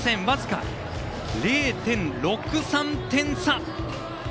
僅か０．６３点差。